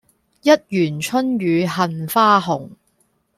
一園春雨杏花紅